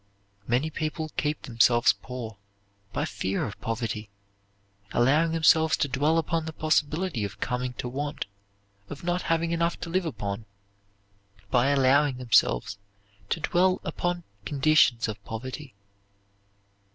Many people keep themselves poor by fear of poverty, allowing themselves to dwell upon the possibility of coming to want, of not having enough to live upon, by allowing themselves to dwell upon conditions of poverty.